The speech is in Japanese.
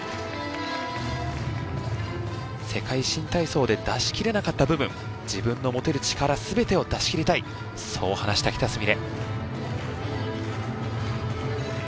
世界新体操で出しきれなかった部分自分の持てる力全てを出しきりたいそう話した喜田純鈴。